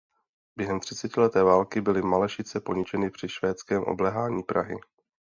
Během třicetileté války byly Malešice poničeny při švédském obléhání Prahy.